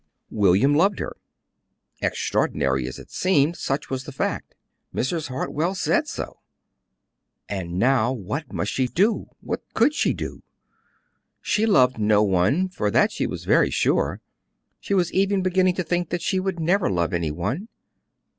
William loved her. Extraordinary as it seemed, such was the fact; Mrs. Hartwell said so. And now what must she do; what could she do? She loved no one of that she was very sure. She was even beginning to think that she would never love any one.